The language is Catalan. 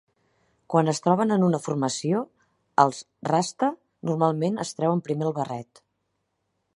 Quan es troben en una formació, els rasta normalment es treuen primer el barret.